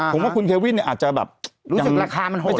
ผมว่าคุณเุริตนีคงอาจจะลูกราคามันโหด